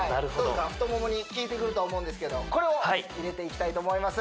太ももにきいてくると思うんですけどこれを入れていきたいと思います